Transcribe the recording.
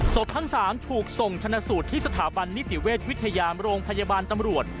ทั้ง๓ถูกส่งชนะสูตรที่สถาบันนิติเวชวิทยามโรงพยาบาลตำรวจ